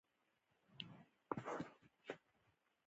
نجونې به تر هغه وخته پورې خپلو موخو ته رسیږي.